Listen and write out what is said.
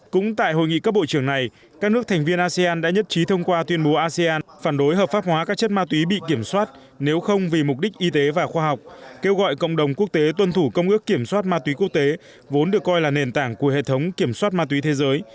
cũng tại hội nghị các bộ trưởng này các nước thành viên asean đã nhất trí thông qua tuyên bố asean phản đối hợp pháp hóa các chất ma túy bị kiểm soát nếu không vì mục đích y tế và khoa học kêu gọi cộng đồng quốc tế tuân thủ công ước kiểm soát ma túy quốc tế vốn được coi là nền tảng của hệ thống kiểm soát ma túy thế giới